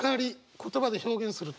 言葉で表現すると。